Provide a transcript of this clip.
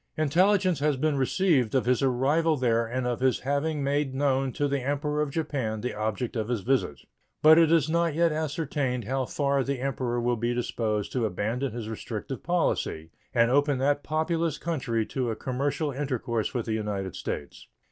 Intelligence has been received of his arrival there and of his having made known to the Emperor of Japan the object of his visit. But it is not yet ascertained how far the Emperor will be disposed to abandon his restrictive policy and open that populous country to a commercial intercourse with the United States.